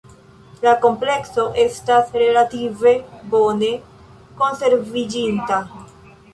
La komplekso estas relative bone konserviĝinta.